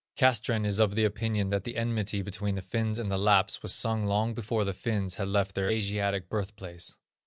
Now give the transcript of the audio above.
Castrén is of the opinion that the enmity between the Finns and the Lapps was sung long before the Finns had left their Asiatic birth place.